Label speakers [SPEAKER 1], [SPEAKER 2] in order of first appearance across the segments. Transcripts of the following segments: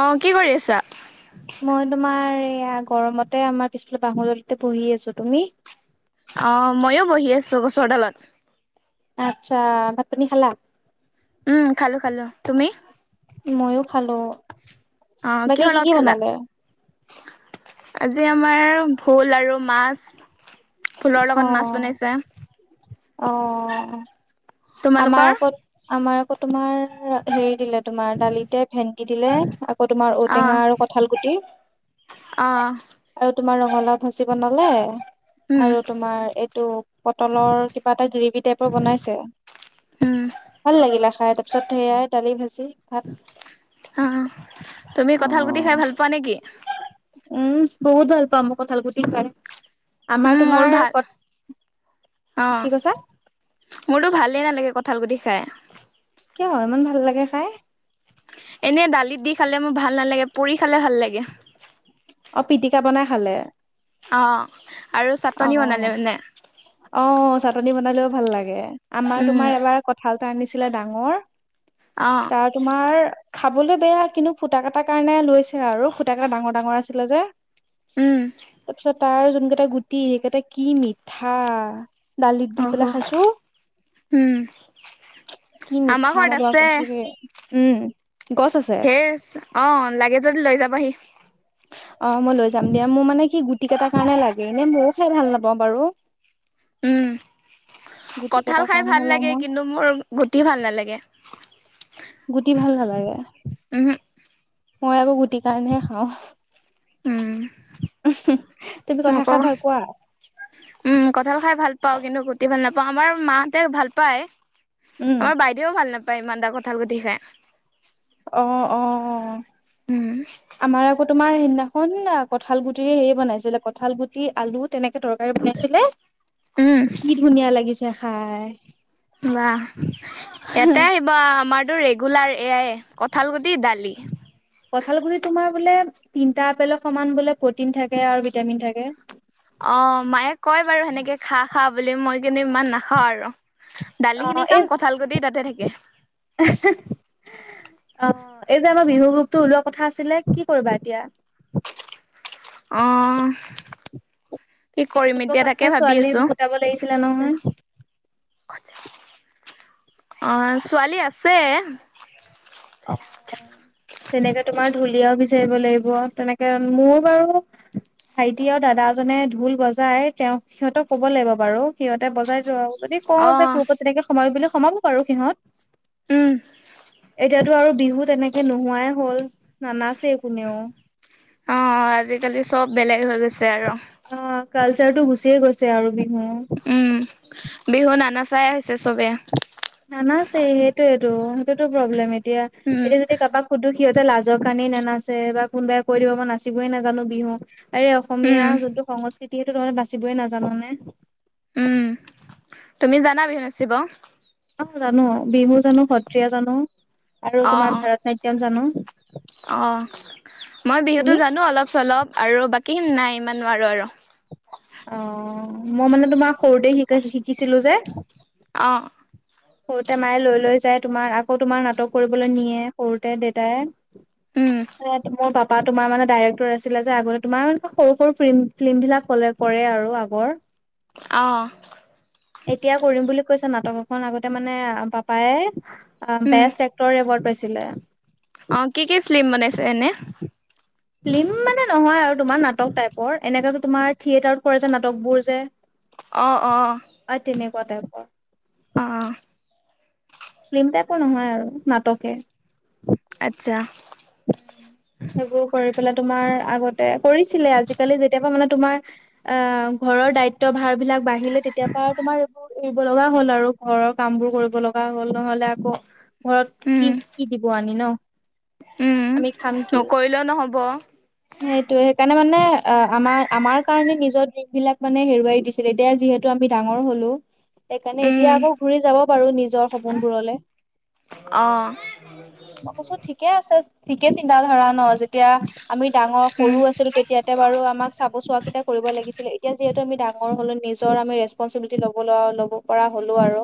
[SPEAKER 1] অহ' কি কৰি আছা?
[SPEAKER 2] মই তোমাৰ এয়া গৰমতে আমাৰ পিছফালে বাহদলীতে পঢ়ি আছো। তুমি?
[SPEAKER 1] অ মইও বহি আছো গছৰডালত
[SPEAKER 2] আচ্ছা ভাত পানী খালা
[SPEAKER 1] উম খালো খালো তুমি
[SPEAKER 2] মইও খালো
[SPEAKER 1] অ
[SPEAKER 2] বাকী
[SPEAKER 1] কিহৰ
[SPEAKER 2] কি কি
[SPEAKER 1] লগত খালা
[SPEAKER 2] বনালে?
[SPEAKER 1] আজি আমাৰ ভোল আৰু মাছ ভোলৰ
[SPEAKER 2] অ
[SPEAKER 1] লগত মাছ বনাইছে
[SPEAKER 2] অ
[SPEAKER 1] তোমালোকৰ
[SPEAKER 2] আমাৰ আগত আমাৰ আকৌ তোমাৰ হেৰি দিলে তোমাৰ দালিতে ভেণ্টি দিলে আকৌ তোমাৰ
[SPEAKER 1] অ
[SPEAKER 2] ঔটেঙা আৰু কঁঠাল গুটি
[SPEAKER 1] অ
[SPEAKER 2] আৰু তোমাৰ ৰঙালাও ভাজি বনালে
[SPEAKER 1] উম
[SPEAKER 2] আৰু তোমাৰ এইটো পটলৰ কিবা এটা গ্ৰেভি টাইপৰ বনাইছে
[SPEAKER 1] উম
[SPEAKER 2] ভাল লাগিলা খাই তাৰ পিছত সেইয়াই দালি ভাজি ভাত
[SPEAKER 1] অ তুমি
[SPEAKER 2] অ
[SPEAKER 1] কঠাল গুটি খাই ভাল পোৱা নেকি
[SPEAKER 2] উম বহুত ভাল পাওঁ মোক কঠাল গুটি খাই আমাৰ
[SPEAKER 1] উম মোৰ
[SPEAKER 2] তোমাৰ
[SPEAKER 1] ভাল
[SPEAKER 2] কত
[SPEAKER 1] অ
[SPEAKER 2] কি কৈছা
[SPEAKER 1] মোৰতো ভালেই নালাগে কঠাল গুটি খাই
[SPEAKER 2] কিয় ইমান ভাল লাগে খাই
[SPEAKER 1] এনেই দালিত দি খালে মোৰ ভাল নালাগে পৰি খালে ভাল লাগে
[SPEAKER 2] অ পিটিকা বনাই খালে
[SPEAKER 1] অঁ
[SPEAKER 2] অ অ চাটনি বনালেও ভাল লাগে আমাৰ
[SPEAKER 1] উম
[SPEAKER 2] তোমাৰ এবাৰ কঁঠাল এটা আনিছিলে ডাঙৰ
[SPEAKER 1] অ
[SPEAKER 2] তাৰ তোমাৰ খাবলৈ বেয়া কিন্তু ফুটা কাটাৰ কাৰণে লৈছে আৰু ফুটাকটা ডাঙৰ ডাঙৰ আছিলে যে
[SPEAKER 1] উম
[SPEAKER 2] তাৰপিছত তাৰ যোনকেইটা গুট গুটি সেকেইটা কি মিঠা দালিত দি
[SPEAKER 1] অহ
[SPEAKER 2] পেলাই খাইছো
[SPEAKER 1] উম
[SPEAKER 2] কি
[SPEAKER 1] আমাৰ
[SPEAKER 2] মিথা
[SPEAKER 1] ঘৰত
[SPEAKER 2] মই
[SPEAKER 1] আছে
[SPEAKER 2] কৈছোৰে উম গছ আছে
[SPEAKER 1] হেৰ অ লাগে যদি লৈ যাবহি
[SPEAKER 2] অ মই লৈ যাম দিয়া মোৰ মানে কি গুটি কেইটাৰ কাৰণে লাগে এনে মইও খাই ভাল নাপাওঁ বাৰু
[SPEAKER 1] উম
[SPEAKER 2] গুটি
[SPEAKER 1] কঠাল
[SPEAKER 2] কেইটাৰ
[SPEAKER 1] খাই
[SPEAKER 2] কাৰণে
[SPEAKER 1] ভাল
[SPEAKER 2] হ'লেও
[SPEAKER 1] লাগে
[SPEAKER 2] মই
[SPEAKER 1] কিন্তু মোৰ গুটি ভাল নালাগে
[SPEAKER 2] গুটি ভাল নালাগে
[SPEAKER 1] তহে [unintelligible]
[SPEAKER 2] মই আকৌ গুটিৰ কাৰণেহে খাওঁ
[SPEAKER 1] উম
[SPEAKER 2] তুমি কঁঠাল
[SPEAKER 1] মোকো
[SPEAKER 2] খাই ভাল পোৱা
[SPEAKER 1] উম কঁঠাল খাই ভাল পাওঁ কিন্তু গুটি ভাল নাপাওঁ আমাৰ মাহঁতে ভাল পায়
[SPEAKER 2] উম
[SPEAKER 1] আমাৰ বাইদেউও ভাল নাপায় ইমান এটা কঁঠাল গুতি খে
[SPEAKER 2] অ অ অ
[SPEAKER 1] উম
[SPEAKER 2] আমাৰ আকৌ তোমাৰ সেইনা খন কঁঠাল গুটিৰে হেয়ে বনাইছিলে কঠাল গুটি আলু তেনেকে টৰ বনাইছিলে
[SPEAKER 1] উম
[SPEAKER 2] কি ধুনীয়া লাগিছে খাই
[SPEAKER 1] বাহ ইয়াতে আহিবা আমাৰতো ৰেগুলাৰ এয়াই কঁঠালগুটি দালি
[SPEAKER 2] কঁঠাল গুটি তোমাৰ বোলে তিনিটা আপেলৰ সমান বোলে প্ৰটিন থাকে আৰু ভিটামিন থাকে
[SPEAKER 1] অ মায়ে কয় বাৰু সেনেকে খা খা বুলি মই কিন্তু ইমান নাখাওঁ আৰু
[SPEAKER 2] অ
[SPEAKER 1] দালিখিনি খাম কঁঠাল গুটি তাতে থাকে
[SPEAKER 2] আচ [unintelligible] অ', এই যে আমাৰ বিহু গ্ৰোপতটো ওলোৱা কথা আছিলে কি কৰিবা এতিয়া?
[SPEAKER 1] অঁ' কি
[SPEAKER 2] বিহু
[SPEAKER 1] কৰিম
[SPEAKER 2] গ্ৰুপৰ
[SPEAKER 1] এতিয়া
[SPEAKER 2] কাৰণে
[SPEAKER 1] তাকে ভাবি
[SPEAKER 2] ছোৱালী
[SPEAKER 1] আছো।
[SPEAKER 2] গোটাব লাগিছিলে নহয়
[SPEAKER 1] [unintelligible] অ', ছোৱালী আছে।
[SPEAKER 2] অ', তেনেকে তোমাৰ ঢুলীয়া বি বিচাৰিব লাগিব তেনেকে মোৰ বাৰু ভাইটি আৰু দাদাজনে ঢোল বজাই তেওঁক সিহঁতক কব লাগিব বাৰু সিহঁতে বজাই দিব আৰু। যদি
[SPEAKER 1] অ
[SPEAKER 2] কওঁ যে, গ্ৰপত তেনেকে সোমাবি বুলি সোমাব বাৰু সিহত।
[SPEAKER 1] উম।
[SPEAKER 2] এতিয়াতো আৰু বিহু তেনেকে নোহোৱাই হ'ল, নানাচেই কোনেও।
[SPEAKER 1] অ', আজিকালি চব বেলেগ হৈ গৈছে আৰু।
[SPEAKER 2] অ', কালচাৰ টো গুচিয়ে গৈছে আৰু বিহু।
[SPEAKER 1] উম, বিহু নানা চাই হৈছে চবে।
[SPEAKER 2] নানাচেই হেইটোয়েটো হেইটোতো প্ৰব্লেম এতিয়া
[SPEAKER 1] উম
[SPEAKER 2] এতিয়া যদি কাৰোবাক সুধু সিহঁতে লাজৰ কাৰণেই নানচ বা কোনোবাই কৈ দিব মই নাচিবই নাজানো বিহু। আৰে
[SPEAKER 1] উম
[SPEAKER 2] অসমীয়া যোনটো সংস্কৃতি, সেইটো তহতে বাচিবই নাজান নে।
[SPEAKER 1] উম তুমি জানা বিহু নাচীব?
[SPEAKER 2] অ', জানো বিহু জানো, সত্ৰীয়া জানো আৰু
[SPEAKER 1] অ
[SPEAKER 2] তোমাৰ ভাৰত নাট্যম জানো।
[SPEAKER 1] অ', মই
[SPEAKER 2] তুমি
[SPEAKER 1] বিহুতো জানো অলপ চলপ আৰু বাকী কিন নাই, ইমান নোৱাৰো আৰু।
[SPEAKER 2] অ', মই মানে তোমাৰ সৰুতে শিকাই শিকিছিলো যে
[SPEAKER 1] অ'।
[SPEAKER 2] সৰুতে মায়ে লৈ লৈ যায়, তোমাৰ আকৌ তোমাৰ নাটক কৰিবলৈ নিয়ে, সৰুতে দেউতাই।
[SPEAKER 1] উম
[SPEAKER 2] স মোৰ বাপা [inaudible] তোমাৰ মানে ডাইৰেক্টৰ আছিলে যে, আগতে তোমাৰ মান, সৰু সৰু ফ ফিল্ম বিলাক, কলে কৰে আৰু আগৰ। [unintelligible]
[SPEAKER 1] অঁ'।
[SPEAKER 2] এতিয়া, কৰিম বুলি কৈছে নাটক এখন, আগতে মানে পাপাই
[SPEAKER 1] উম
[SPEAKER 2] বেষ্ট এক্টৰ এৱাৰ্ড পাইছিলে।
[SPEAKER 1] অ', কি কি ফিল্ম বনাইছে এনে?
[SPEAKER 2] ফিল্ম মানে নহয় আৰু তোমাৰ নাটক টাইপৰ, এনে কাটো তোমাৰ থিয়েটাৰত কৰে যে নাটকবোৰ যে। [inaudible]
[SPEAKER 1] অঁ', অঁ'।
[SPEAKER 2] অ', তেনেকুৱা তাইপৰ।
[SPEAKER 1] অঁ'।
[SPEAKER 2] ফিল্ম টাইপৰ নহয় আৰু নাটকে।
[SPEAKER 1] আচ্ছা।
[SPEAKER 2] সেইবোৰ কৰি পেলাই তোমাৰ আগতে কৰিছিলে, আজিকালি যেতিয়া পা মানে তোমাৰ আহ, ঘৰৰ দায়িত্ব দায়িত্ব ভাৰ বিলাক বাঢ়িলে, তেতিয় পা আৰু তোমাৰ এইবোৰ এৰিব লগা হ'ল আৰু ঘৰৰ কাম বোৰ কৰিব লগা হ'ল নহলে আকৌ ঘৰত
[SPEAKER 1] উম
[SPEAKER 2] কি কি দিব আনি ন।
[SPEAKER 1] উম
[SPEAKER 2] আমি খাম কি,
[SPEAKER 1] নকৰিলেও নহ'ব
[SPEAKER 2] সেইটো, হেইকাৰণ মানে অ', আমাৰ, আমাৰ কাৰণে নিজৰ ড্ৰিম বিলাক মানে হেৰুৱাই দিছিল, এতিয়া যিহেতু আমি ডাঙৰ হলো সেইকাৰণে এতিয়া
[SPEAKER 1] উম
[SPEAKER 2] আকৌ ঘূৰি যাব পাৰো নিজৰ সপোনবোৰলে।
[SPEAKER 1] অঁ'।
[SPEAKER 2] মই কৈছো ঠিকে আছে, ঠিকে চিন্তা ধাৰা ন, যেতিয়া আমি ডাঙৰ
[SPEAKER 1] উম
[SPEAKER 2] সৰু আছিলো তেতিয়া ইয়াতে বাৰ আমাক চাব চোৱা চিতা কৰিব লাগিছিল এতিয়া যিহেতু আমি ডাঙৰ হলো নিজৰ আমি ৰেছ স্পনচিবিলিটি ল'ব, ল'ব পৰা হ'লো আৰু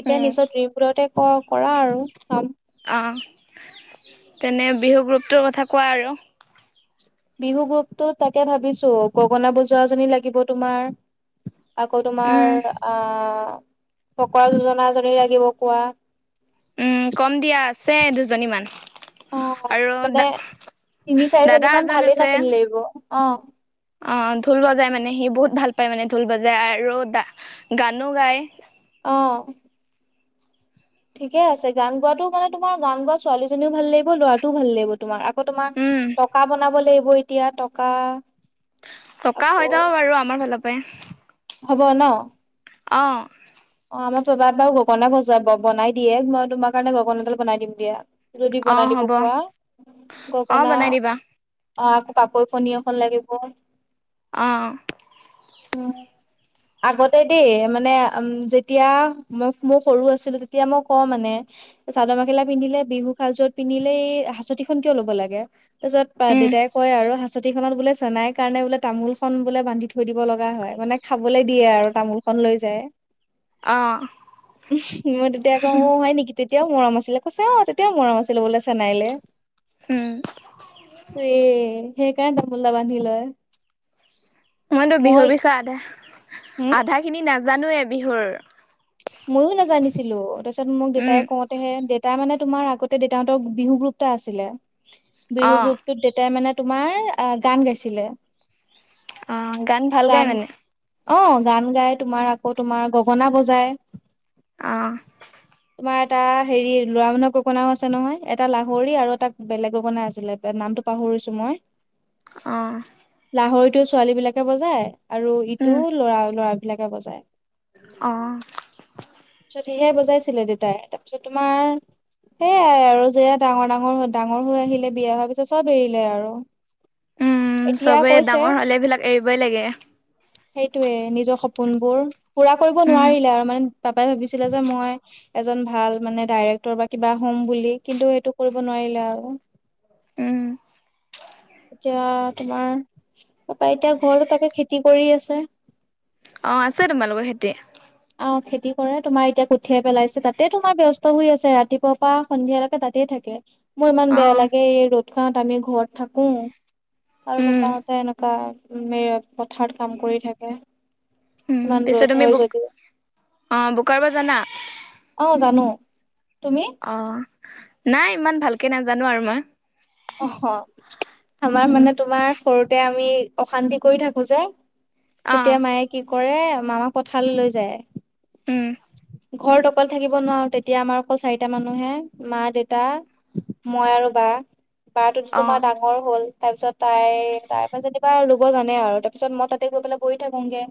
[SPEAKER 2] এতিয়া,
[SPEAKER 1] উম
[SPEAKER 2] নিজৰ ড্ৰ্ৰীমবোৰতে ক কৰা আৰু কাম।
[SPEAKER 1] অঁ', তেনে বিহু গ্ৰোপটোৰ কথা কোৱা আৰু।
[SPEAKER 2] বিহু গ্ৰোপ [unintelligible] পতো তাকে ভাবিছো গগনা বজোৱাাজী লাগিব তোমাৰ আকৌ, তোমাৰ
[SPEAKER 1] উম
[SPEAKER 2] আ ফকৰা যোজনা এজনী লাগিব কোৱা!
[SPEAKER 1] উ কম দিয়া, আছে দুজনীমান
[SPEAKER 2] অ,
[SPEAKER 1] আৰু
[SPEAKER 2] মানে
[SPEAKER 1] দা
[SPEAKER 2] তিনি চাৰিজনী
[SPEAKER 1] দাদা
[SPEAKER 2] মান
[SPEAKER 1] এজন
[SPEAKER 2] ভালেই
[SPEAKER 1] আছে
[SPEAKER 2] নাচনী লাগিব! অ
[SPEAKER 1] অ ঢোল বজাই মানে, সি বহুত ভাল পায় মানে, ঢোল বজাই আৰুা গানো গায়!
[SPEAKER 2] অ ঠিকে আছে, গান গোৱা মানে তোমাৰ গান গোৱা ছোৱালীজনীও ভাল লাগিব, ল'ৰাটোও ভাল লাগিব তোমাৰ আকৌ তোমাৰ
[SPEAKER 1] উম
[SPEAKER 2] টকা বনাব লাগিব এতিয়া টকা
[SPEAKER 1] থটকা হৈ
[SPEAKER 2] আকৌ
[SPEAKER 1] যাব বাৰু আমাৰ ফালৰ পৰাই
[SPEAKER 2] হ'ব ন
[SPEAKER 1] অ
[SPEAKER 2] অ আমাৰ পাবাত বাৰু গগনা গছা বনাই দিয়ে মই তোমাৰ কাৰণে গগনা এডাল বনাই দিম দিয়া যদি
[SPEAKER 1] অ
[SPEAKER 2] বনাই দিব
[SPEAKER 1] হ'ব
[SPEAKER 2] খোৱা
[SPEAKER 1] অ
[SPEAKER 2] গগনা
[SPEAKER 1] বনাই দিবা
[SPEAKER 2] অ আকৌ কাপৈ কণী এখন লাগিব
[SPEAKER 1] অঁ
[SPEAKER 2] উ আগতে দেই মানে উম যেতিয়া মই মোৰ সৰু আছিলো তেতিয়া মই কওঁ মানে চাদৰ মেখেলা পিন্ধিলে বিহু সাজযোৰত পিন্ধিলে এই হাঁচতিখন কিয় ল'ব লাগে তাৰিছত বা
[SPEAKER 1] উম
[SPEAKER 2] দেউতাই কয় আৰুচ ট খত বোলে চেনাই কাৰণে বোলে তামোল খ বোলে বান্ধি থৈ দিব লগা হয় মানে খাবলৈ দিয়ে আৰু তামোল খ লৈ যায়
[SPEAKER 1] অ
[SPEAKER 2] মই তেতিয়া ক অ হয় নেকি তেতিয়াও মৰম আছিলে কৈছে অ তেতিয়াও মৰম আছিলে বোলে চেনাইলে
[SPEAKER 1] উম
[SPEAKER 2] চ সে কাই ন মুলল বান্ধিিলয়
[SPEAKER 1] মইতো বিহুৰ বিষয়ে আধা
[SPEAKER 2] হম
[SPEAKER 1] আধা খিনি নাজানোয়ে বিহুৰ
[SPEAKER 2] ময়ো নাজানিছিলো তাৰপিছত মোক
[SPEAKER 1] উম
[SPEAKER 2] দেউতাই কওঁতেহে দেউতাই মানে তোমাৰ আগতে ত দেউতাহতৰ বিহু গ্ৰুপ এটা আছিলে
[SPEAKER 1] অ
[SPEAKER 2] বিহু গ্ৰুপ ত দেউতাই মানে তোমাৰ গান গাইছিলে
[SPEAKER 1] অ গান ভাল গাই
[SPEAKER 2] গান
[SPEAKER 1] মানে
[SPEAKER 2] অ গান গাই তোমাৰ আকৌ তোমাৰ গগনা বজায়
[SPEAKER 1] অ
[SPEAKER 2] [unintelligible] তোমাৰ এটা হেৰি ল'ৰা মানুহৰ ককনাও আছে নহয় এটা লাহৰি আৰু এটা বেলেগ ককনা আছিলে নামটো পাহৰিছোঁ মই
[SPEAKER 1] অঁ
[SPEAKER 2] লাহৰিটো ছোৱালী বিলাকে বজায় আৰু
[SPEAKER 1] উম,
[SPEAKER 2] ইটোও লৰা লৰাবলাকে বজায়
[SPEAKER 1] অঁ
[SPEAKER 2] তাৰপিছত সেহে বজাইছিলে দেউতাই তাৰপিছত তোমাৰ সেয়াই আৰু যেয়া ডাঙৰ ডাঙৰ হৈ ডাঙৰ হৈ আহিলে বিয়া হোৱাৰ পিছত চব এৰিলে আৰু [inaudible]
[SPEAKER 1] চবে
[SPEAKER 2] কৈছে
[SPEAKER 1] ডাঙৰ হ'লে এইবিলাক এৰিবই লাগে
[SPEAKER 2] সেইটোয়ে নিজৰ সপোনবোৰ পুৰা কৰিব
[SPEAKER 1] উম,
[SPEAKER 2] নোৱাৰিলে আৰু মানে বাপাই ভাবিছিলে যে মই এজন ভাল মানে ডাইৰেক্টৰ বা কিবা হম বুলি কিন্তু সেইটো কৰিব নোৱাৰিলে আৰু
[SPEAKER 1] উম,
[SPEAKER 2] এতিয়া তোমাৰ তাৰাপা এতিয়া ঘৰতো তাকে খেতি কৰি আছে
[SPEAKER 1] অঁ আছে তোমালোকৰ সেতি
[SPEAKER 2] অ খেতি কৰে তোমাৰ এতিয়া কঠিয়াই পেলাইছে তাতে তোমাৰ ব্যস্ত হৈ আছে ৰাতিপুৱা পৰাা সন্ধিয়ালৈকে তাতেই থাকে মোৰ ইমান বেয়া
[SPEAKER 1] অ',
[SPEAKER 2] লাগে এই ৰ'দ খত আমি ঘৰত থাকো আৰু
[SPEAKER 1] উম,
[SPEAKER 2] পাপাহতে এনেকুৱাে পথাৰত কাম কৰি থাকে
[SPEAKER 1] উ
[SPEAKER 2] ইমান
[SPEAKER 1] পিছে
[SPEAKER 2] ৰ'দ
[SPEAKER 1] তুমি
[SPEAKER 2] হয়
[SPEAKER 1] বু
[SPEAKER 2] যদিও
[SPEAKER 1] অ বোকাৰ পৰা জানা
[SPEAKER 2] অ জানো তুমি
[SPEAKER 1] অ, নাই ইমান ভালকে নাজানো আৰু মই।
[SPEAKER 2] অ, আমাৰ
[SPEAKER 1] উম,
[SPEAKER 2] মানে তোমাৰ সৰুতে আমি অশান্তি কৰি থাকো যোই তেতিয়া
[SPEAKER 1] অ',
[SPEAKER 2] মায়েক কি কৰে মামাক কথাল লৈ যায়।
[SPEAKER 1] উম।
[SPEAKER 2] ঘৰ দকল থাকিব নোৱাৰো তেতিয়া আমাৰ অকল চাৰিটা মানুহে মা, দেউতা মই আৰু বা-বাটো তোমাৰ
[SPEAKER 1] অ',
[SPEAKER 2] ডাঙৰ হ'ল। তাৰ পিছত তাই তাৰ পৰা যেনিবা ল'ব জানে আৰু তাৰ পিছত মই তাতে গৈ পেলাই বহি থাকোংগে।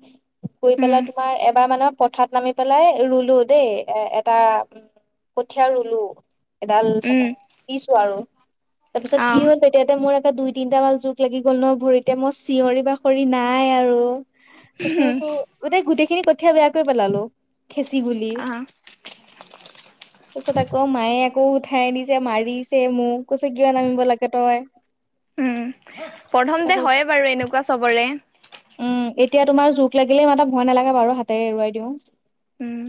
[SPEAKER 2] শুই
[SPEAKER 1] উম,
[SPEAKER 2] পেলাই তোমাৰ এবাৰ মানে পথাৰত নামি পেলাই ৰুলো দেই এ, এটা কঠীয়া ৰুলো এডাল
[SPEAKER 1] উম,
[SPEAKER 2] মানে কিছো আৰু তাৰপিছত কি
[SPEAKER 1] অ',
[SPEAKER 2] হ'ল য়াতে মোৰ এটা দুই, তিনটা মান জোক লাগি গ'ল ন ভৰিতে মই চিঞৰি বাখৰি নাই আৰু। তাৰ
[SPEAKER 1] উম,
[SPEAKER 2] পিছত গোটেইখিনি কঠীয়া বেয়াকৈ পেলালো খেচি, গুলি
[SPEAKER 1] অ',
[SPEAKER 2] তাৰপিছত আকৌ মায়ে আকৌ উঠাই নিছে মাৰিছে মোক। কৈছে কিয় নামিব লাগে তই।
[SPEAKER 1] উ, প্ৰথমতে
[SPEAKER 2] আকৌ
[SPEAKER 1] হয়ে বাৰু এনেকুৱা চবৰে
[SPEAKER 2] উম, এতিয়া তোমাৰ জোক লাগিলে সিমানটা ভয় নালাগে বাৰু হাতেৰে এৰুৱাই দিওঁ।
[SPEAKER 1] উম,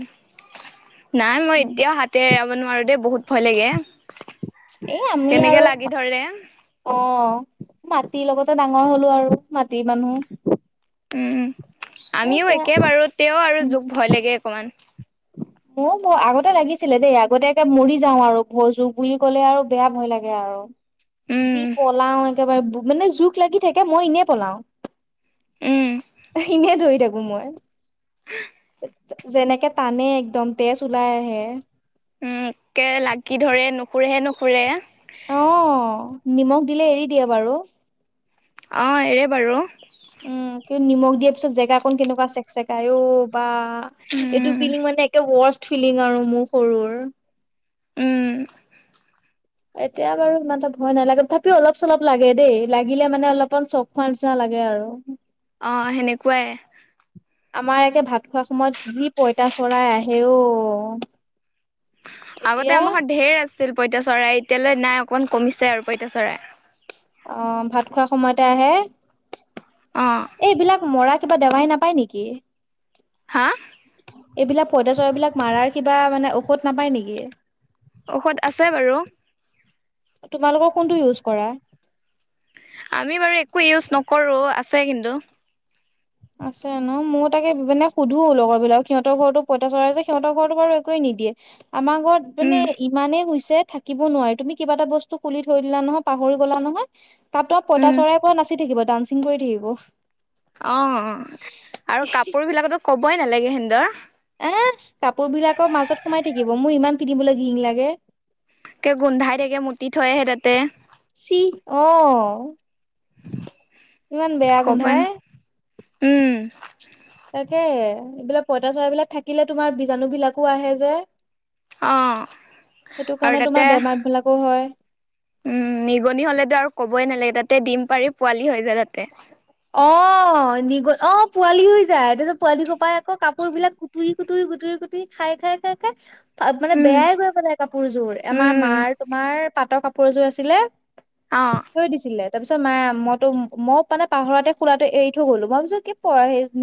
[SPEAKER 1] নাই মই এতিয়াও হাতে এৰাব নোৱাৰো দেই বহুত ভয় লাগে।
[SPEAKER 2] এ আমি
[SPEAKER 1] কেনেকে
[SPEAKER 2] আৰু
[SPEAKER 1] লাগি ধৰে।
[SPEAKER 2] অ, মাটিৰ লগতে ডাঙৰ হলো আৰু মাটিৰ মানুহ
[SPEAKER 1] উম,
[SPEAKER 2] এ
[SPEAKER 1] আমিও
[SPEAKER 2] এতিয়া
[SPEAKER 1] একে বাৰো তেও আৰু জোক ভয় লাগে অকমান।
[SPEAKER 2] অ, আগতে লাগিছিলে দেই আগতে মৰি যাওঁ আৰু জোক বুলি কলে আৰু বেয়া ভয় লাগে আৰু। যি
[SPEAKER 1] উম
[SPEAKER 2] পলাও একেবাৰে মানে জোক লাগি থাকে মই এনে পলাও।
[SPEAKER 1] উম
[SPEAKER 2] এনে দৌৰি থাকো মই যেনেকে তানে একদম তেজ ওলাই আহে।
[SPEAKER 1] উম একে লাগি ধৰে নুখুৰেহে, নুখুৰে।
[SPEAKER 2] অ, নিমখ দিলে এৰি দিয়ে বাৰু।
[SPEAKER 1] অ, এৰে বাৰু।
[SPEAKER 2] উম, কিন্তু নিমখ দিয়াৰ পিছত জেগা কন, কেনেকুৱা চেক, চেকাই অ, বা এইটো
[SPEAKER 1] উম
[SPEAKER 2] ফিলিং মানে একে ৱৰ্ষ্ট ফিলিং আৰু মোৰ সৰুৰ।
[SPEAKER 1] উম।
[SPEAKER 2] এতিয়া বাৰু ইমানটা ভয় নালাগে তথাপিও অলপ, চলপ লাগে দেই লাগিলে মানে অলপমান চক ফালচা লাগে আৰু।
[SPEAKER 1] অ, হেনেকুৱাই।
[SPEAKER 2] আমাৰ একে ভাত খোৱা সময়ত যি পইতা চৰাই আহে অ'।
[SPEAKER 1] আগতে
[SPEAKER 2] এতিয়া
[SPEAKER 1] আমাৰ ঢেৰ আছিল পঁইতা চৰাই এতিয়ালৈ নাই অকণমান কমিছে আৰু পঁইতা চৰাই।
[SPEAKER 2] অ, ভাত খোৱাৰ সময়তে আহে।
[SPEAKER 1] অ'।
[SPEAKER 2] এইবিলাক মৰা কি'বা দেৱাই নাপায় নেকি।
[SPEAKER 1] হা?
[SPEAKER 2] এইবিলাক পইতা চৰাই বিলাক মাৰাৰ কিবা মানে ঔষধ নাপায় নেকি।
[SPEAKER 1] ঔষধ আছে বাৰু।
[SPEAKER 2] তোমালোকৰ কোনটো ইউজ কৰা?
[SPEAKER 1] আমি বাৰু একো ইউজ নকৰো আছে কিন্তু।
[SPEAKER 2] আছে ন মই তাকে মানে সুধো লগৰ বিলাক সিহঁতৰ ঘৰতো পইতা চৰাই যে সিহতৰ ঘৰতো বাৰু একোৱে নিদিয়ে। আমাৰ ঘৰত মানে
[SPEAKER 1] উম
[SPEAKER 2] ইমানেই হৈছে থাকি কিব নোৱাৰি তুমি কিবা এটা বস্তু খুলি থৈ দিলা নহয় পাহৰি গ'লা নহয়। তাতো পইতা
[SPEAKER 1] উম
[SPEAKER 2] চৰাই পোৰা নাচি থাকিব, ডান্সিং কৰি থাকিব।
[SPEAKER 1] অ, আৰু কাপোৰ বিলাকতো ক'বই নালাগে সিন্টৰ
[SPEAKER 2] এ, কাপোৰ বিলাকৰ মাজত সোমাই থাকিব মোৰ ইমান পিন্ধিবলৈ ঘিন লাগে।
[SPEAKER 1] ত একৈ গোন্ধাই থাকে মুতি থৈহে তাতে
[SPEAKER 2] চি অ ইমান বেয়া
[SPEAKER 1] ক'বই
[SPEAKER 2] গোন্ধাই
[SPEAKER 1] উম
[SPEAKER 2] তাকে এইবিলাক পইতা চৰাইবলাক থাকিলে তোমাৰ বিজাণু বিলাকো আহে যে
[SPEAKER 1] অ
[SPEAKER 2] সেইটো
[SPEAKER 1] আৰু
[SPEAKER 2] কাৰণে
[SPEAKER 1] তাতে
[SPEAKER 2] তোমাৰ বেমাৰবিলাকো হয়
[SPEAKER 1] উম নিগনি হ'লেতো আৰু ক'বই নালাগে তাতে দিম পাৰি পোৱালি হৈ যায় তাতে
[SPEAKER 2] অ নিগল অ পোৱালি হৈ যায় ততিয়াত পোৱালি কোপাই আকৌ কাপোৰ বিলাক তুৰি কুটুৰি গুৰি গুটুৰি খাই খাই খাই খাই মানে
[SPEAKER 1] উম
[SPEAKER 2] বেয়াই গৈ পেলাই কাপোৰযোৰ আমাৰ
[SPEAKER 1] উম
[SPEAKER 2] মাৰ তোমাৰ পাটৰ কাপোৰযোৰ আছিলে
[SPEAKER 1] অ
[SPEAKER 2] দিছিলে তাৰপিছত মায়ে মইতো মই মানে পাহৰতে খোলাটো এৰি থৈ গ'লো মই ভাবিছো কি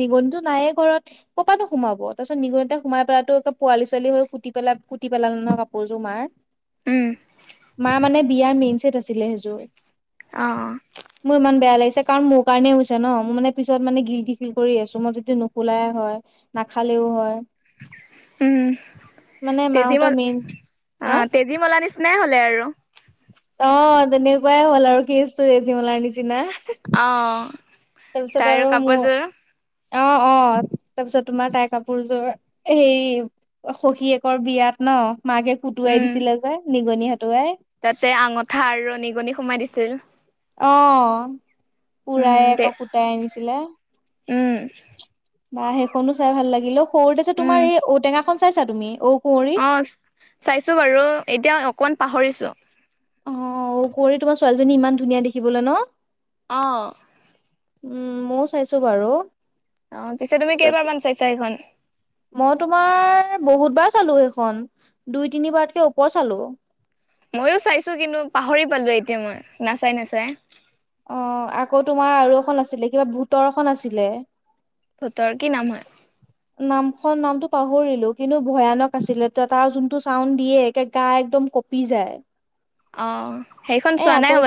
[SPEAKER 2] নিগনতটো নায়ে ঘৰত কপাতোমাব তাৰ পিছত নিগুতে সোমাই পেলাইো পোৱালি ছোৱালী হৈ কুটি পেলাই কুটি পেলাল ন কাপোৰযোৰ মাৰ [inaudible]
[SPEAKER 1] উম
[SPEAKER 2] মা মানে বিয়াৰ মেইন চছেট আছিলে
[SPEAKER 1] অ
[SPEAKER 2] সেইযোৰ মোৰ ইমান বেয়া লাগিছে কাৰণ মোক কাৰণে হৈছে ন মোৰ মানে পিছত মানে গিল্টি ফিল কৰি আছো মই যদি নোখোলাই হয় নাখালেও হয়
[SPEAKER 1] উম
[SPEAKER 2] মানে মাহঁতৰ
[SPEAKER 1] তেজিমাল
[SPEAKER 2] মেইন
[SPEAKER 1] অ
[SPEAKER 2] হা
[SPEAKER 1] তেজি আজিমলা নিচিনাই হলে আৰু
[SPEAKER 2] অ তেনেকুৱাই হ'ল আৰু কেছটো এজীমলাৰ নিচিনা
[SPEAKER 1] অ
[SPEAKER 2] তাৰপিছত
[SPEAKER 1] তাই আৰু
[SPEAKER 2] মোৰ
[SPEAKER 1] কাপোৰযোৰ
[SPEAKER 2] অ অ অ তাৰপিছত তোমাৰ তাইৰ কাপোৰযোৰ সেই সখীয়েকৰ বিয়াত ন মাকে খুটুৱাই
[SPEAKER 1] উম
[SPEAKER 2] দিছিলে যে নিগনি সতুৱাই
[SPEAKER 1] তাতে আঙঠা আৰু ৰ নিীগনিী সোমাই দিছিল
[SPEAKER 2] অ
[SPEAKER 1] উম
[SPEAKER 2] পুৰায়
[SPEAKER 1] দে
[SPEAKER 2] আকৌ কুটাই আনিছিলে
[SPEAKER 1] উম
[SPEAKER 2] বা সেইখনো চাই ভাল লাগিল অ সৰুতে যে তোমাৰ
[SPEAKER 1] উম
[SPEAKER 2] এই ঔটেঙাখনন চাইছা তুমি অঔ কুঁৱৰৰি
[SPEAKER 1] অ চাইছো বাৰু এতিয়া অকমান পাহৰিছো
[SPEAKER 2] অ কৰি তোমাৰ ছোৱালীজনী ইমান ধুনীয়া দেখিবলৈ ন
[SPEAKER 1] অঁ
[SPEAKER 2] উম ময়ও চাইছো বাৰু
[SPEAKER 1] অ পিছে তুমি
[SPEAKER 2] তাৰপিছত
[SPEAKER 1] কেইবাৰমান চাইছা সেইখন
[SPEAKER 2] মই তোমাৰ বহুতবাৰ চালো সেইখন দুই তিনিবাৰতকে ওপৰ চালো
[SPEAKER 1] মইো চাইছো কিন্তু পাহৰি পালোে এতিয়া মই নাচাই নাচাই
[SPEAKER 2] অ আকৌ তোমাৰ আৰু এখন আছিলে কিবা ভোতৰখন আছিলে
[SPEAKER 1] ভূতৰ কি নাম হয়
[SPEAKER 2] [inaudible] নামখনন নামতটো পাহৰিলো কিন্তু ভয়ানক আছিলে ত তাৰ যোনটো চাউড দিয়েে গা একদম পিজায়
[SPEAKER 1] অঁ
[SPEAKER 2] এ আকৌ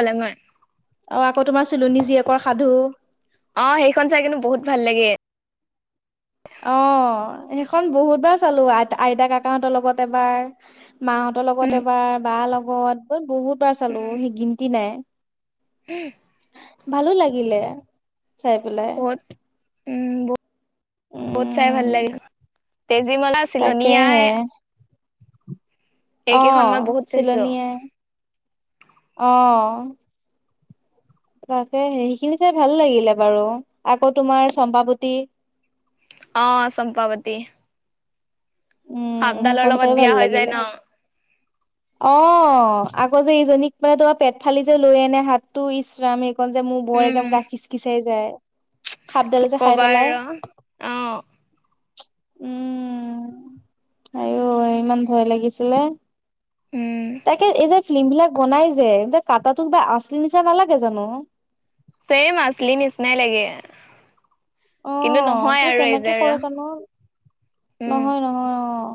[SPEAKER 2] অ আকৌ তোমাৰ চিলনী জীয়েকৰ সাধু
[SPEAKER 1] অ সেইখন চাই কিন্তু বহুত ভাল লাগে
[SPEAKER 2] অ সেইখন বহুত বাৰ চালো আই আইতা কাকাহঁতৰ লগত এবাৰ মাহতৰ তঁতৰ লগত
[SPEAKER 1] উম
[SPEAKER 2] এবাৰ বা লগত ব বহুত বাৰ চালো
[SPEAKER 1] উম
[SPEAKER 2] সি গিনন্তি নাই ভালো লাগিলে চাই পেলাই
[SPEAKER 1] বহুত উম বহুত চাই
[SPEAKER 2] উম
[SPEAKER 1] ভাল লাগিল তেজি ম
[SPEAKER 2] তাকেহে,
[SPEAKER 1] এইকেইখন
[SPEAKER 2] আহ,
[SPEAKER 1] মই বহুত চাইছো
[SPEAKER 2] চিলনীয়ে আহ, তাকে সেইৰিখিনি চাই ভাল লাগিলে বাৰু আকৌ তোমাৰ চম্পাৱতী,
[SPEAKER 1] অ, চম্পাৱতী।
[SPEAKER 2] উম,
[SPEAKER 1] সাপডালৰ
[SPEAKER 2] সেইখন
[SPEAKER 1] লগত
[SPEAKER 2] চাইো ভাল
[SPEAKER 1] বিয়া হৈ যায়
[SPEAKER 2] লাগিলে।
[SPEAKER 1] ন
[SPEAKER 2] অ, আকৌ যে ইজনীক মানে তোমাৰ পেট ফালি যে লৈ আনে হাতটো ইচ্ৰাম [inaudible] মোৰ বৰে
[SPEAKER 1] উম
[SPEAKER 2] গে গা খিচ খিচাই যায়।
[SPEAKER 1] কি
[SPEAKER 2] সাপডালে যে খাই
[SPEAKER 1] কবা
[SPEAKER 2] পেলাই।
[SPEAKER 1] আৰু অ
[SPEAKER 2] উম। আৰু ইমান ভয় লাগিছিলে।
[SPEAKER 1] উম।
[SPEAKER 2] তাকে এই যে ফিল্ম বিলাক বনাই যে এ কাটাটোোক বা আঁচলি নিচা নালাগে জানো?
[SPEAKER 1] চেম আচলি নিচিনাই লাগে
[SPEAKER 2] অ
[SPEAKER 1] কিন্তু নহয়
[SPEAKER 2] তই
[SPEAKER 1] আৰু এই যে
[SPEAKER 2] কেনেকে
[SPEAKER 1] আৰু।
[SPEAKER 2] কৰে জানো
[SPEAKER 1] উম
[SPEAKER 2] নহয় নহয় অ'।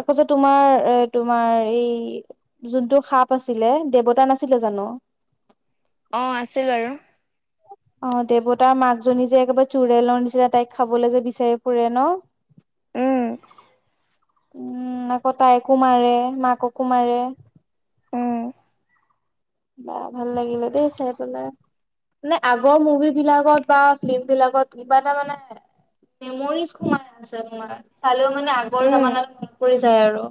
[SPEAKER 2] আকৌ যে তোমাৰ এ তোমাৰ এই যোনটো সাপ আছিলে দেৱতা নাছিলে জানো?
[SPEAKER 1] অ', আছিল বাৰু।
[SPEAKER 2] অ, ' দেৱতাৰ মাক জনী যে একেবাৰে চোৰেলৰ নিচীনা তাইক খাবলৈ যে বিচাৰি ফুৰে ন?
[SPEAKER 1] উম,
[SPEAKER 2] উম, আকৌ তাইকো মাৰে মাককো মাৰে।
[SPEAKER 1] উম
[SPEAKER 2] বা, ভাল লাগিলে দেই চাই পেলাই। মানে আগৰ মুভি বিলাকত বা ফিল্ম বিলাকত কিবা এটা মানে মেমৰিজ সোমাই আছে তোমাৰ চালেও মানে আগৰ
[SPEAKER 1] উম
[SPEAKER 2] জামানাত মন পৰি যায় আৰু।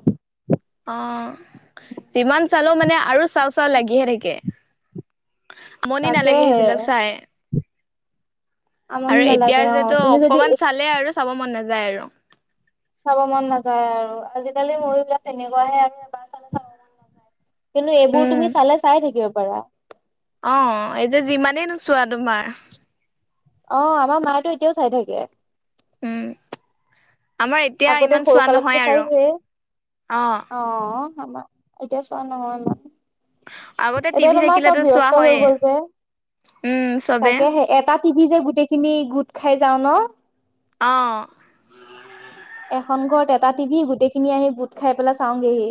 [SPEAKER 1] অ', যিমান চালো মানে আৰু চাউ চাউ লাগিহে থাকে।
[SPEAKER 2] [inaudible]
[SPEAKER 1] আমনি নালাগে
[SPEAKER 2] তাকেহে
[SPEAKER 1] সেইবিলাক চাই।
[SPEAKER 2] আমনি
[SPEAKER 1] আৰু এতিয়া
[SPEAKER 2] নালাগে অ
[SPEAKER 1] যেহেতটো
[SPEAKER 2] তুমি যদি
[SPEAKER 1] অকমান চালে আৰু চাব মন নাযায় আৰু।
[SPEAKER 2] চাব মন নাযায় আৰু আজিকালি মৰি বিলাক তেনেকুৱাহে আৰু [inaudible] কিন্তু এইবোৰ
[SPEAKER 1] উম
[SPEAKER 2] তুমি চালে চাই থাকিব পাৰা।
[SPEAKER 1] অ', এই যে যিমানেই নোচোৱা তোমাৰ,
[SPEAKER 2] অ', আমাৰ মায় তো এতিয়াও চাই থাকে।
[SPEAKER 1] উম, আমাৰ এতিয়া
[SPEAKER 2] আগতে
[SPEAKER 1] ইমান চোৱা নহয়
[SPEAKER 2] সৰুকালতো
[SPEAKER 1] আৰু
[SPEAKER 2] চাইহেই অ', আমাৰ এতিয়া চোৱা নহয় মান।
[SPEAKER 1] আগতে
[SPEAKER 2] এতিয়া
[SPEAKER 1] টিভি
[SPEAKER 2] তোমাৰ
[SPEAKER 1] থাকিলেতো
[SPEAKER 2] চব
[SPEAKER 1] চোৱা
[SPEAKER 2] ব্যস্ত হৈ
[SPEAKER 1] হয়ে
[SPEAKER 2] গল যে
[SPEAKER 1] উম চবে
[SPEAKER 2] তাকেহে তটা টিভি যে গোটেইখিনি গোট খাই যাওঁ ন।
[SPEAKER 1] অ'।
[SPEAKER 2] এখন ঘৰত এটা টিভি গোটেই খিনি আহি বুট খাই পেলাই চাওগেহি।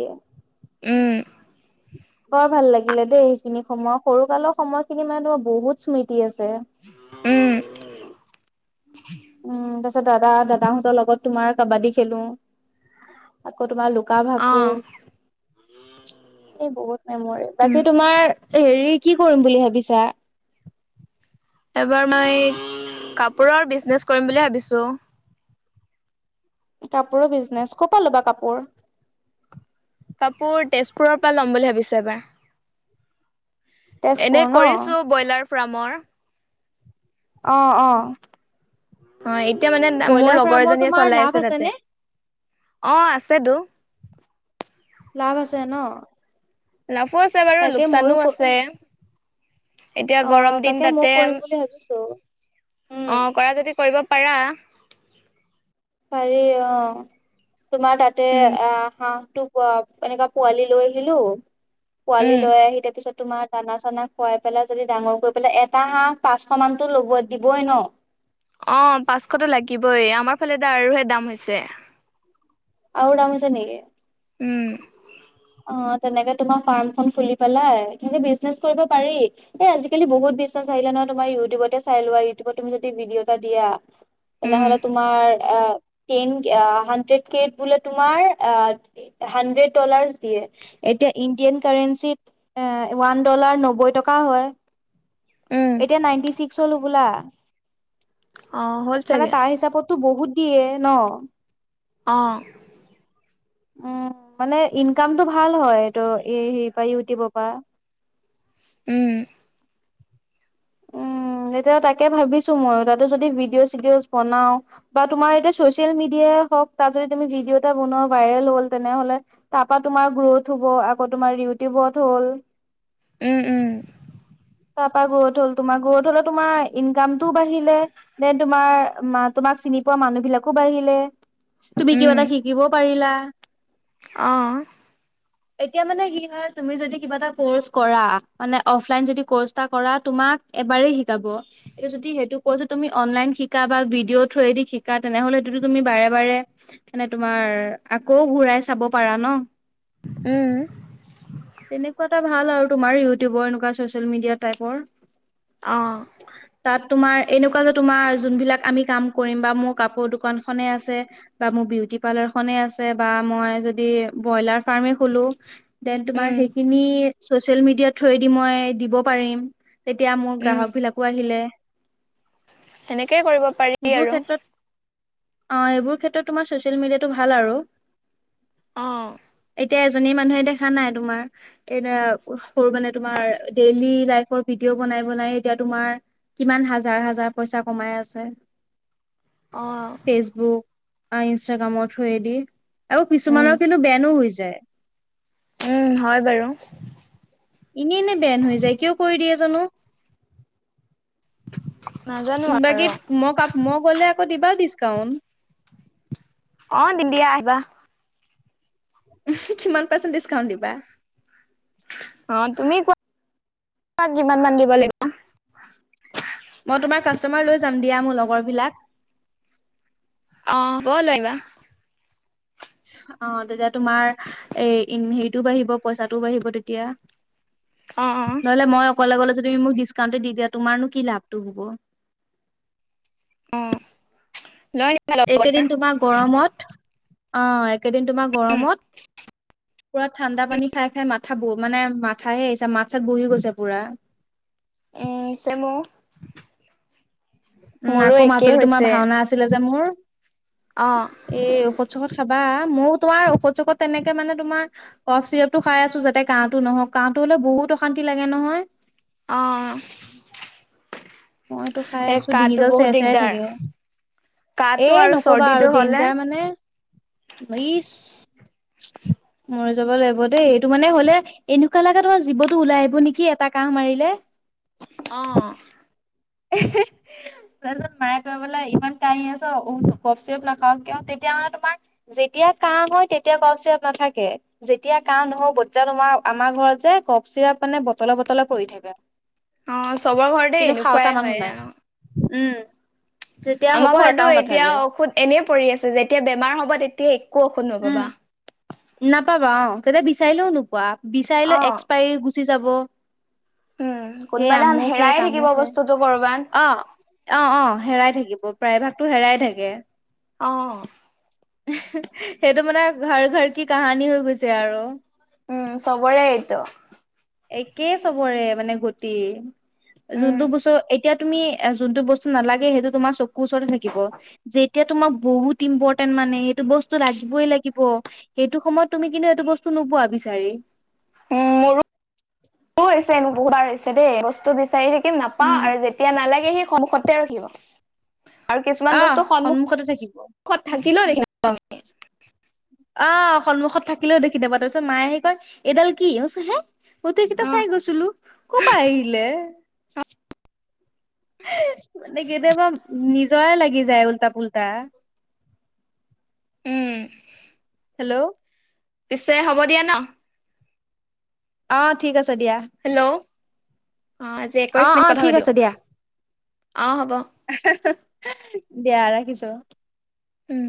[SPEAKER 1] উম,
[SPEAKER 2] বৰ ভাল লাগিলে দেই সেইখিনি সময় সৰুকালৰ সময়খিনি মানে তোমাৰ বহুত স্মৃতি আছে।
[SPEAKER 1] উম।
[SPEAKER 2] উম, তাৰ পিছত দাদা দাদাহঁতৰ লগত তোমাৰ কাবাদডী খেলোঁ। আকৌ তোমাৰ লুকা
[SPEAKER 1] অ
[SPEAKER 2] ভাকু। এই বহুত মেমৰি
[SPEAKER 1] উম
[SPEAKER 2] বাকী তোমাৰ হেৰি কি কৰিম বুলি ভাবিছা?
[SPEAKER 1] এবাৰ মই কাপোৰৰ বিজনেছ কৰিম বুলি ভাবিছোঁ।
[SPEAKER 2] কাপোৰৰ বিজনেচ, ক'পা লবা কাপোৰ?
[SPEAKER 1] কাপোৰ তেজপুৰৰ পৰা ল'ম বুলি ভাবিছোঁ এবাৰ। এনে
[SPEAKER 2] তেজপুৰ ন
[SPEAKER 1] কৰিছোঁ ব্ৰইলাৰ ফ্ৰ্মৰ।
[SPEAKER 2] অ', অ',
[SPEAKER 1] অ', এতিয়া মানে মোৰ
[SPEAKER 2] ব্ৰইলাৰ
[SPEAKER 1] লগৰ
[SPEAKER 2] ফাৰ্মৰ
[SPEAKER 1] এজনীয়ে
[SPEAKER 2] তোমাৰ
[SPEAKER 1] চলাই
[SPEAKER 2] লাভ
[SPEAKER 1] আছে তাতে
[SPEAKER 2] নে?
[SPEAKER 1] অ', আছেতো।
[SPEAKER 2] লাভ আছে ন?
[SPEAKER 1] লাভো আছে বাৰু
[SPEAKER 2] তাকে
[SPEAKER 1] লোকচানো
[SPEAKER 2] ময়ো ক
[SPEAKER 1] আছে। এতিয়া
[SPEAKER 2] অ
[SPEAKER 1] গৰম দিন
[SPEAKER 2] তাকে ময়ো
[SPEAKER 1] তাতে
[SPEAKER 2] কৰিম বুলি ভাবিছো উম
[SPEAKER 1] অ' কৰা যদি কৰিব। পৰাাৰ।
[SPEAKER 2] পাৰি অ' তোমাৰ তাতে
[SPEAKER 1] উম
[SPEAKER 2] আহ হাঁহটো। প এনেককা পোৱালি লৈ আহিলো পোৱালি
[SPEAKER 1] উম
[SPEAKER 2] লৈ আহি তাৰ পিছত তোমাৰ। দানা চানা খুৱাই পেলাই যদি ডাঙৰ কৰি পেলাই এটা হাঁহ পাঁচশ মানতো ল'ব দিবই ন।
[SPEAKER 1] অ' পাঁচশত লাগিবই আমাৰ ফালে এ আৰুহে দাম হৈছে।
[SPEAKER 2] আ গাামছে নেকে
[SPEAKER 1] উম
[SPEAKER 2] অ তেনেকে তোমাৰ ফাৰ্ম খ খুলি পেলাই কিন্তু বিজনেচ কৰিব পাৰি এ আজিকালি বহুত বিশ্বাস আহিলে নহ তমাৰ ইউটিউবতে চাই লোৱা ইউটিউত তুমি যদি ভিডি' এটা দিয়া
[SPEAKER 1] উম
[SPEAKER 2] তেনেহলে তোমাৰ আহ টেন হাড্ৰেড কে বো তোমাৰ হাড্ৰেড ডলাৰ দিয়ে এতিয়া ইণ্ডিয়ান কাৰেঞ্চিত এ ওৱান ডলাৰ নব্বৈ টকা হয়
[SPEAKER 1] উম
[SPEAKER 2] এতিয়া নাইনটি ছিক্স হ'লো বোলা
[SPEAKER 1] অ হ'ল
[SPEAKER 2] মানে
[SPEAKER 1] চাগে
[SPEAKER 2] তাৰ হিচাপতটো বহুত দিয়ে ন
[SPEAKER 1] অ
[SPEAKER 2] উম মানে ইনকামতটো ভাল হয় তটো হেৰি পৰা ইউটিউবৰ পৰা
[SPEAKER 1] উম
[SPEAKER 2] উম তেতিয়া তাকে ভাবিছো মই তাতো যদি ভিডিঅ' চিডিঅ বনাও বা তোমাৰ এতিয়া চচিয়েল মিডিয়াই হওক তাত যদি তুমি ভিডিঅ' এটা বনোৱা ভাইৰেল হ'ল তেনেহ'লে তাৰ পৰাা তোমাৰ গ্ৰোথ হ'ব আকৌ তোমাৰ ইউটিউবত হ'ল
[SPEAKER 1] উম উম
[SPEAKER 2] তাৰ পৰাা গ্ৰ'থ হল তোমাৰ গ্ৰ'থ হলে তোমাৰ ইনকামটোও বাঢ়িলে নে তোমাৰ তোমাক চিনি পোৱা মানুহ বিলাকো বাঢ়িলে তুমি
[SPEAKER 1] উম
[SPEAKER 2] কিবা এটা শিকিব পাৰিলা
[SPEAKER 1] অঁ
[SPEAKER 2] এতিয়া মানে কি হয় তুমি যদি কিবা এটা কৰ্চ কৰা মানে অফলাইন যদি কচা কৰা তোমাক এবাৰেই শিকাব এইটো যদি সেইটো কৰছে তুমি অনলাইন শিকা বা ভিডিঅ' থ্ৰুৱেদি শিকা তেনেহলে সেইটোতটো তুমি বাৰে বাৰে মানে তোমাৰ আকৌ ঘূৰাই চাব পাৰা ন
[SPEAKER 1] উম
[SPEAKER 2] তেনেকুৱা এটা ভাল আৰু তোমাৰ ইউটিউবৰ এনেকুৱা চচিয়েল মিডিয়া টাইপৰ
[SPEAKER 1] অ
[SPEAKER 2] তাত তোমাৰ এনেকুৱা যে তোমাৰ যোনবিলাক আমি কাম কৰিম বা মোৰ কাপোৰ দোকানখনে আছে বা মোৰ বিউটি পাৰ্লাৰ খনে আছে বা মই যদি ব্ৰইলাৰ ফাৰ্মে খলো দেন তোমাৰ
[SPEAKER 1] উম
[SPEAKER 2] সেইখিনি ছ'চিয়েল মিডিয়া থ্ৰুৱেদি মই দিব পাৰিম তেতিয়া মোৰ
[SPEAKER 1] উম
[SPEAKER 2] গ্ৰাহক বিলাকো আহিলে
[SPEAKER 1] সেনেকেই কৰিব পাৰি
[SPEAKER 2] সেইবোৰ
[SPEAKER 1] আৰু
[SPEAKER 2] ক্ষেত্ৰত অ এইবোৰ ক্ষেত্ৰত তোমাৰ ছচিয়েল মিডিয়াটো ভাল আৰু
[SPEAKER 1] অঁ
[SPEAKER 2] এতিয়া এজনী মানুহে দেখা নাই তোমাৰ এই সৰু মানে তোমাৰ ডেইলি লাইফৰ ভিডিঅ' বনাই বনাই এতিয়া তোমাৰ কিমান হাজাৰ হাজাৰ পইচা কমাই আছে
[SPEAKER 1] অ
[SPEAKER 2] ফেচবুক ইনষ্টাগ্ৰামৰ থ্ৰেদি আৰু
[SPEAKER 1] উম
[SPEAKER 2] কিছুমানৰ কিন্তু বেনো হৈ যায়
[SPEAKER 1] উম হয় বাৰু
[SPEAKER 2] এনেই এনেই বেন হৈ যায় কিয় কৰি দিয়ে জানো
[SPEAKER 1] নাজানো আৰু
[SPEAKER 2] বাকীত মই মই গলে আকৌ দিবা ডিচকাউন্ট
[SPEAKER 1] অ দণ্ডিয়া আহিবা
[SPEAKER 2] কিমান পাৰ্চেণ্ট ডিছকাউণ্ট দিবা।
[SPEAKER 1] অ, তুমি কোৱা কিমান মান দিব লাগিব।
[SPEAKER 2] মই তোমাৰ কাষ্টমাৰ লৈ যাম দিয়া মোৰ লগৰ বিলাক
[SPEAKER 1] অ, ব' লাগি
[SPEAKER 2] অ, তেতিয়া তোমাৰ এই হেৰিটোও বাঢ়িব, পইচাটোও বাঢ়িব তেতিয়া।
[SPEAKER 1] অ', অ',
[SPEAKER 2] নহলে মই অকলে গলে তুমি মোক ডিচকাউণ্ট দি দিয়া তোমাৰনো কি লাভটো হ'ব।
[SPEAKER 1] অ, লয়।
[SPEAKER 2] এইকেইদিন তোমাৰ গৰমত অ, একেদিন তোমাৰ গৰমত পুৰা ঠাণ্ডা পানী খাই, খাই মা মা ব মানে, মাথাহে আহিছে মাত, চাত বহি গৈছে পুৰা।
[SPEAKER 1] উম [unintelligible]
[SPEAKER 2] উম,
[SPEAKER 1] মোৰো
[SPEAKER 2] আকৌ
[SPEAKER 1] একেই
[SPEAKER 2] মাজুল তোমাৰ
[SPEAKER 1] হৈছে
[SPEAKER 2] ভাওনা আছিলে যে মোৰ।
[SPEAKER 1] অ'।
[SPEAKER 2] এ ঔষধ, চৌখত খাবা ময়ো তোমাৰ ঔষধ, চৌখত তেনেকে মানে তোমাৰ কফ, চিপটো খাই আছো যাতে গাওতোহক কাওঁটো হলে বহুত অশ্তি লাগে নহয়।
[SPEAKER 1] অ'।
[SPEAKER 2] মইতো খাই
[SPEAKER 1] সেই
[SPEAKER 2] আছো
[SPEAKER 1] কাহটো
[SPEAKER 2] ডিঙিডাল
[SPEAKER 1] বহুত
[SPEAKER 2] চেৰা, চেৰা
[SPEAKER 1] দিগদাৰ।
[SPEAKER 2] থাকে। এ,
[SPEAKER 1] কাহটো আৰু
[SPEAKER 2] নকবা
[SPEAKER 1] চৰ্দিটো
[SPEAKER 2] আৰু
[SPEAKER 1] হ'লে
[SPEAKER 2] ডেইঞ্জাৰ মানে ই মৰি যাব লাগিব দেই এইটো মানে হ'লে এনেকুৱা লগাগে তোমাৰ জীৱতো ওলাই আহিব নেকি এটা কাহ মাৰিলে।
[SPEAKER 1] অ'।
[SPEAKER 2] তজন মায় বোলে ইমান কাঁহি আছ চপ নাখাও কিয় তেতিয়াহলে তোমাৰ যেতিয়া কাম হয় তেতিয়া কউ চৰা নাথাকে। যেতিয়া কা নহও বতিয়া তোমাৰ আমাৰ ঘৰত যে কপ চিৰাপ মানে বটল, বটলে পৰি থাকে।
[SPEAKER 1] অ, চবৰ ঘৰতে
[SPEAKER 2] কিন্তু খাওঁতা
[SPEAKER 1] এনেকুৱাই। হয়
[SPEAKER 2] নাই,
[SPEAKER 1] অ'।
[SPEAKER 2] উম। যেতিয়া হ'ব
[SPEAKER 1] আমাৰ ঘৰতো
[SPEAKER 2] এটাও
[SPEAKER 1] এতিয়া
[SPEAKER 2] নাথাকে।
[SPEAKER 1] ঔষধ এনেই পৰি আছে যেতিয়া বেমাৰ হ'ব তেতিয়া একো ঔষধ
[SPEAKER 2] উম,
[SPEAKER 1] নপাবা।
[SPEAKER 2] নাপাবা অ, তেতিয়া বিচাৰিলেও নোপোৱা বিচাৰিলে
[SPEAKER 1] অ',
[SPEAKER 2] এক্সপাইৰ গুচি যাব।
[SPEAKER 1] উম,
[SPEAKER 2] সেই
[SPEAKER 1] কোনোবা দিনাখন
[SPEAKER 2] আমু খে
[SPEAKER 1] হেৰাই
[SPEAKER 2] তামো
[SPEAKER 1] থাকিব
[SPEAKER 2] খে
[SPEAKER 1] বস্তুটো কৰ'বাত।
[SPEAKER 2] অ'। অ', অ', হেৰাই থাকিব প্ৰায় ভাগতো হেৰাই থাকে।
[SPEAKER 1] অ'।
[SPEAKER 2] সেইটো মানে ঘৰ, ঘৰ কি কাহানী হৈ গৈছে আৰু।
[SPEAKER 1] উম, সবৰে এইটো।
[SPEAKER 2] একে চবৰে মানে গতি
[SPEAKER 1] উম,
[SPEAKER 2] যোনটো বস্তু এতিয়া তুমি এ, যোনতটো বস্তু নালাগে সেইটো তোমাৰ চকুৰ ওচৰতে থাকিব। যেতিয়া তোমাক বহুত ইম্পৰটেন্ট মানে সেইটো বস্তু লাগিবই লাগিব। সেইটো সময়ত তুমি কিন্তু এইটো বস্তু নোবোৱা বিচাৰি।
[SPEAKER 1] উ, মোৰো, মোৰো হৈছে এন বুবাৰ হৈছে দেই বস্তু বিচাৰি থাকিম নাপাওঁ
[SPEAKER 2] উম
[SPEAKER 1] আৰু যেয়া তেতিয়া নালাগে সি সমুসতে ৰখিব আৰু কিছুমান
[SPEAKER 2] আহ
[SPEAKER 1] বস্তু সন্মুখ
[SPEAKER 2] সন্মুখতে থাকিব
[SPEAKER 1] কথাকিল দেখি নাপাও।
[SPEAKER 2] আহ, সন্মুখত থাকিলেও দেখি দাবা তাৰপিছত মায়ে আহি কয় এইডাল কি হৈছে হে মটইকেইটা
[SPEAKER 1] অ
[SPEAKER 2] চাই গৈছিলো ক'ৰ পৰা আহিলে। মানে কেতিয়াবা নিজৰা লাগি যায় উওল্টা-পুল্টা।
[SPEAKER 1] উম।
[SPEAKER 2] হেল্ল?
[SPEAKER 1] পিছে হ'ব দিয়া ন।
[SPEAKER 2] অ, ঠিক আছে দিয়া।
[SPEAKER 1] হেল্ল' অ, আজি
[SPEAKER 2] অ
[SPEAKER 1] একৈছ মিনিট
[SPEAKER 2] অ
[SPEAKER 1] কথা
[SPEAKER 2] ঠিক
[SPEAKER 1] পাতিওঁ
[SPEAKER 2] আছে দিয়া
[SPEAKER 1] অ, হ'ব।
[SPEAKER 2] দিয়া ৰাখিছো।
[SPEAKER 1] উম,